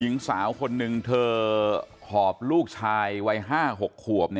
หญิงสาวคนหนึ่งเธอหอบลูกชายวัย๕๖ขวบ